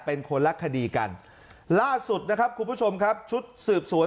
เป็นคนละคดีกันล่าสุดนะครับคุณผู้ชมครับชุดสืบสวน